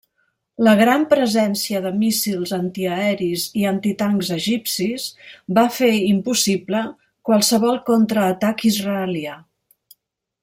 La gran presència de míssils antiaeris i antitancs egipcis va fer impossible qualsevol contraatac israelià.